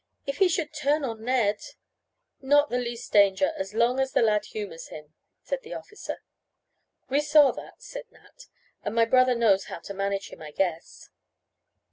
"If he should turn on Ned " "Not the least danger as long as the lad humors him," said the officer. "We saw that," said Nat, "and my brother knows how to manage him, I guess."